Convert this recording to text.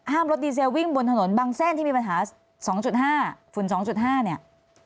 รถดีเซลวิ่งบนถนนบางเส้นที่มีปัญหา๒๕ฝุ่น๒๕เนี่ย